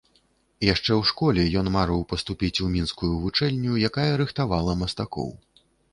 Яшчэ ў школе ён марыў паступіць у мінскую вучэльню, якая рыхтавала мастакоў.